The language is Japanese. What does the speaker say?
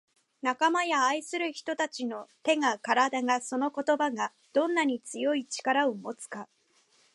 「仲間や愛する人達の手が体がその言葉がどんなに強い力を持つか」